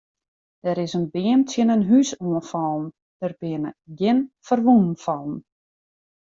Der is in beam tsjin in hús oan fallen, der binne gjin ferwûnen fallen.